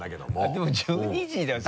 でも１２時だよ。